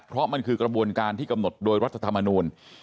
เพราะมันคือกระบวนการที่กำหนดโดยรัฐธรรมนูล